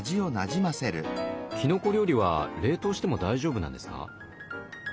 きのこ料理は冷凍しても大丈夫なんですか？